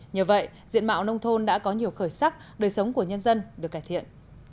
nhờ vậy diện mạo nông thôn đã có nhiều khởi sắc đời sống của nhân dân được cải thiện